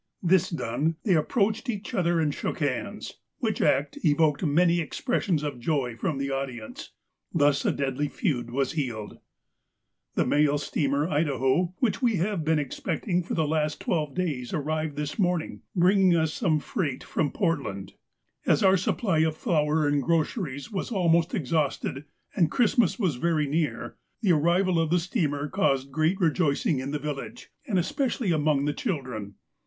This done, they approached each other, and shook hands, which act evoked many expressions of joy from the audience. Thus a deadly feud was healed ! "The mail steamer Idaho, which we have been expecting for the last twelve days, arrived this morning, bringing us some freight from Portland. As our supply of flour and groceries was almost exhausted, and Christmas was very near, — the arrival of the steamer caused great rejoicing in the village, and especially among the children.